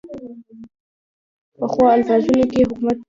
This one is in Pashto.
پخو الفاظو کې حکمت وي